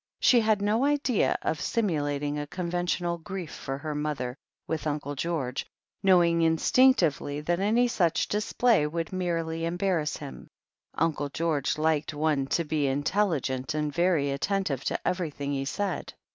She had no idea of simulating a conventional grief for her mother with Uncle George, knowing instinctively that any If THE HEEL OF ACHILLES ii sudi display would merely embarrass him. Uncle George liked one to be intelligent and very attentive to everything he said.